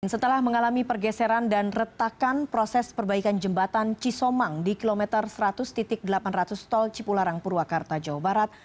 setelah mengalami pergeseran dan retakan proses perbaikan jembatan cisomang di kilometer seratus delapan ratus tol cipularang purwakarta jawa barat